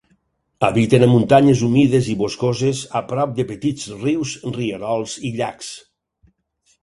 Habiten a muntanyes humides i boscoses a prop de petits rius, rierols i llacs.